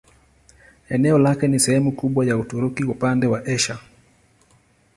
Eneo lake ni sehemu kubwa ya Uturuki upande wa Asia.